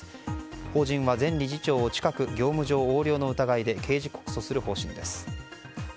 法人は前理事長を近く業務上横領の疑いで刑事告訴する方針です。